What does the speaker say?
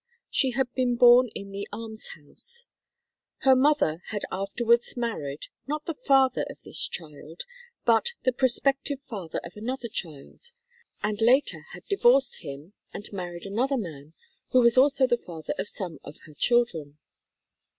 She had been born in an almshouse. Her mother had afterwards married, not the father of this child, but the prospective father of another child, and later had divorced him and married another man, who was also the father of some of her children.